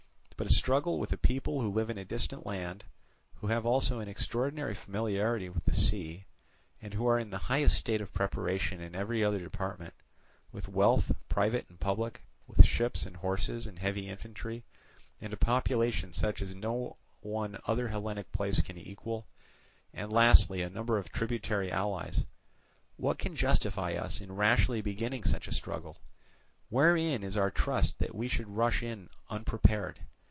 But a struggle with a people who live in a distant land, who have also an extraordinary familiarity with the sea, and who are in the highest state of preparation in every other department; with wealth private and public, with ships, and horses, and heavy infantry, and a population such as no one other Hellenic place can equal, and lastly a number of tributary allies—what can justify us in rashly beginning such a struggle? wherein is our trust that we should rush on it unprepared?